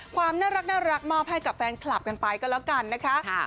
ความน่ารักมอบให้กับแฟนคลับกันไปก็แล้วกันนะคะ